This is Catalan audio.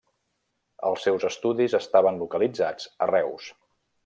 Els seus estudis estaven localitzats a Reus.